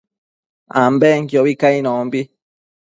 ambenquiobi cainombi